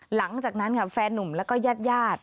หลังจากนั้นค่ะแฟนนุ่มแล้วก็ญาติญาติ